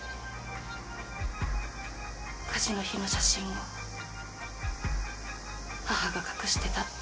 火事の日の写真を母が隠してたって。